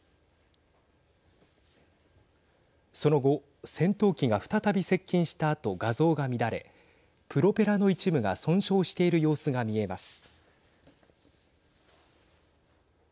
その後戦闘機が再び接近したあと画像が乱れプロペラの一部が損傷している様子が見えます。